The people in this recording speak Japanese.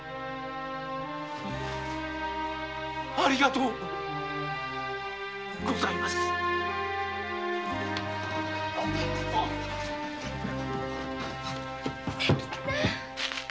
ありがとうございます‼清吉さん‼